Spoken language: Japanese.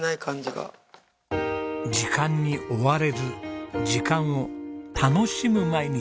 時間に追われず時間を楽しむ毎日。